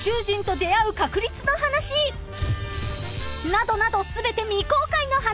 ［などなど全て未公開の話］